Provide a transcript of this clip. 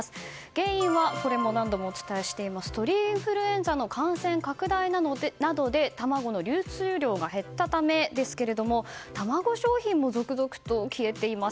原因はこれも何度もお伝えしている鳥インフルエンザの感染拡大などで卵の流通量が減ったためですけれども卵商品も続々と消えています。